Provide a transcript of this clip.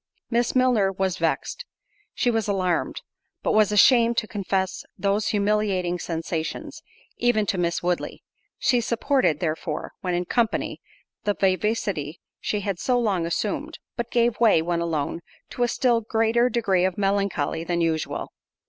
Miss Milner was vext—she was alarmed—but was ashamed to confess those humiliating sensations, even to Miss Woodley—she supported, therefore, when in company, the vivacity she had so long assumed; but gave way, when alone, to a still greater degree of melancholy than usual.